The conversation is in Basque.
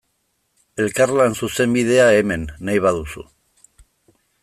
Elkarlan zuzenbidea, hemen, nahi baduzu.